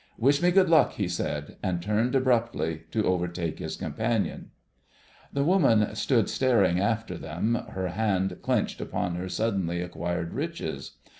"Wish me good luck," he said, and turned abruptly to overtake his companion. The woman stood staring after them, her hand clenched upon her suddenly acquired riches.